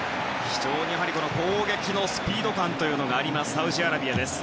非常に攻撃のスピード感がありますサウジアラビアです。